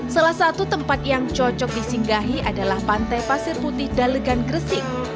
salah satu tempat yang cocok disinggahi adalah pantai pasir putih dalegan gresik